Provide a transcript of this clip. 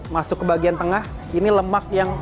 masuk ke bagian tengah ini lemak yang